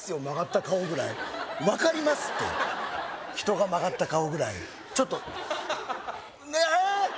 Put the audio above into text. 曲がった顔ぐらい分かりますって人が曲がった顔ぐらいちょっとええ？